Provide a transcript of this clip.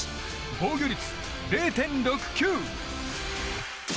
防御率０．６９！